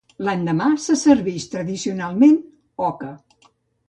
L'endemà, se servix tradicionalment oca.